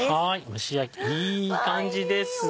蒸し焼きいい感じですね。